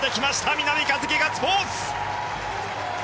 南一輝、ガッツポーズ！